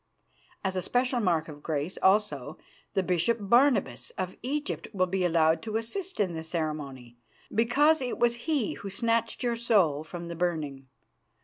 As a special mark of grace, also, the Bishop Barnabas, of Egypt, will be allowed to assist in the ceremony, because it was he who snatched your soul from the burning.